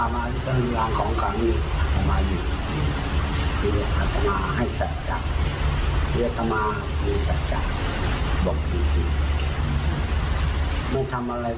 ไม่ทำอะไรต่อไปอัตต์ม้าอยู่ในนี่ก็ไม่เคยจะสร้างหรือว่าทำอะไร